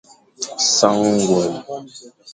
Sañ ñgwel.